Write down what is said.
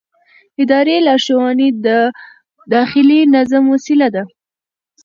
اداري لارښوونې د داخلي نظم وسیله ده.